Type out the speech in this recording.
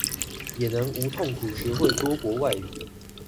也能無痛苦學會多國外語